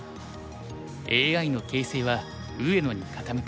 ＡＩの形勢は上野に傾く。